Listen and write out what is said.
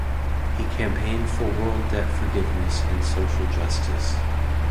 He campaigned for world debt forgiveness and social justice.